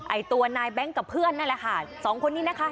ไอ้ตัวนายแบงค์กับเพื่อนนั่นแหละค่ะสองคนนี้นะคะ